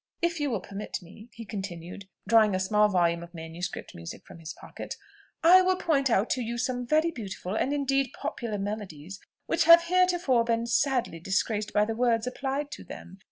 If you will permit me," he continued, drawing a small volume of manuscript music from his pocket, "I will point out to you some very beautiful, and, indeed, popular melodies, which have heretofore been sadly disgraced by the words applied to them.